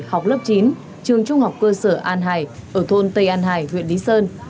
học lớp chín trường trung học cơ sở an hải ở thôn tây an hải huyện lý sơn